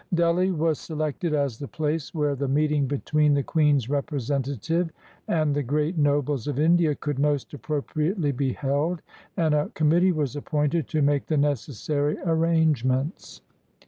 Delhi was selected as the place where the meeting between the Queen's representative and the great nobles of India could most appropriately be held, and a com mittee was appointed to make the necessary arrange ments.